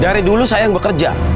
dari dulu saya yang bekerja